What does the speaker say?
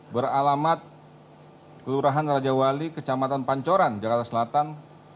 beralamat kelurahan raja wali kecamatan pancoran jakarta selatan